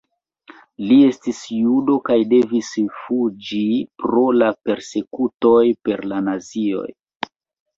Li estis judo kaj devis fuĝi pro la persekutoj per la nazioj.